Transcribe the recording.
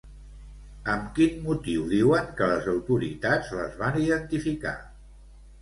Amb quin motiu diuen que les autoritats les van identificar?